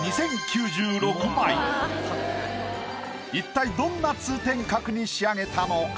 一体どんな通天閣に仕上げたのか？